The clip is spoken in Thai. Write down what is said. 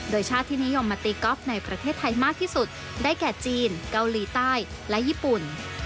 โดยชาติที่นิยมมาตีกอล์ฟในประเทศไทยมากที่สุดได้แก่จีนเกาหลีใต้และญี่ปุ่น